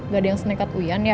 gak ada yang snekat uian ya